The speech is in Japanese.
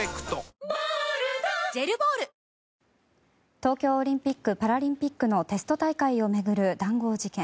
東京オリンピック・パラリンピックのテスト大会を巡る談合事件。